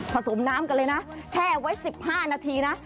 สมน้ำกันเลยนะแช่ไว้๑๕นาทีนะ